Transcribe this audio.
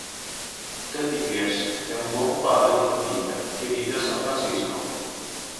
Teddy Pierce è un buon padre di famiglia che vive a San Francisco.